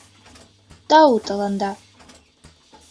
Тау тыланда.